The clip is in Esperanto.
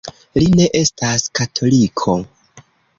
Li ne estas katoliko.